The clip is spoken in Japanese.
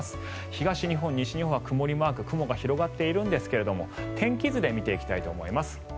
東日本、西日本は曇りマーク雲が広がっているんですが天気図で見ていきたいと思います。